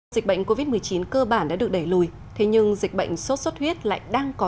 dịch bệnh covid một mươi chín cơ bản đã được đẩy lùi thế nhưng dịch bệnh sốt xuất huyết lại đang có